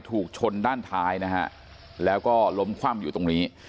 ถูกชนด้านท้ายนะฮะแล้วก็ล้มคว่ำอยู่ตรงนี้